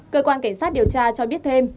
cơ quan cảnh sát điều tra cho biết thêm